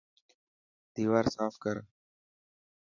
ديوار ساف ڪر.